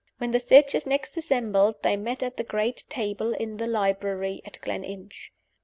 When the searchers next assembled they met at the great table in the library at Gleninch.